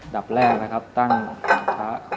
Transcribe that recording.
ดับแรกนะครับตั้งพระ